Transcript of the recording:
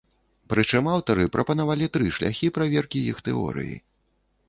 Прычым, аўтары прапанавалі тры шляхі праверкі іх тэорыі.